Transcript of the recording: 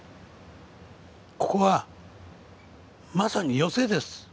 ここはまさに寄席です。